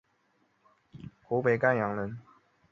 湖北沔阳人。